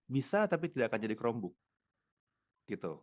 bisa tapi tidak akan jadi chromebook gitu